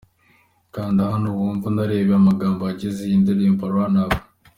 Kanda hano wumve unarebe amagambo agize iyi ndirimbo 'Run Up' .